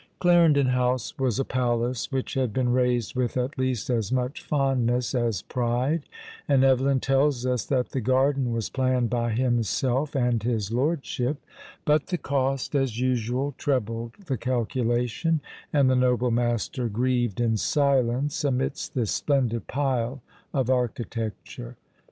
Clarendon House was a palace, which had been raised with at least as much fondness as pride; and Evelyn tells us that the garden was planned by himself and his lordship; but the cost, as usual, trebled the calculation, and the noble master grieved in silence amidst this splendid pile of architecture.